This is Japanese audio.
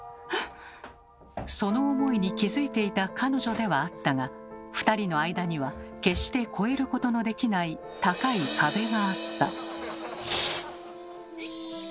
その思いに気付いていた彼女ではあったが２人の間には決して越えることのできない高い壁があった。